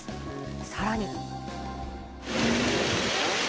さらに。